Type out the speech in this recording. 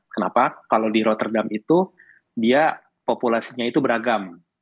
kenapa kalau di rotterdam itu dia populasinya itu beragam